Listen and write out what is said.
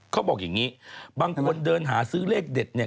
เขาบอกอย่างนี้บางคนเดินหาซื้อเลขเด็ดเนี่ย